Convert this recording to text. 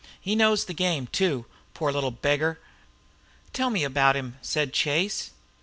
He knows the game, too. Poor little beggar!" "Tell me about him," said Chase.